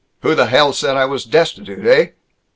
Who the hell said I was destitute, heh?"